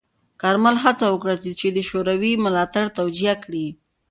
کارمل هڅه وکړه چې د شوروي ملاتړ توجیه کړي.